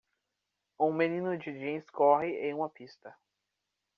Um menino de jeans corre em uma pista.